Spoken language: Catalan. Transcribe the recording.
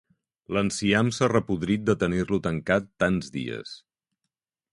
L'enciam s'ha repodrit de tenir-lo tancat tants dies.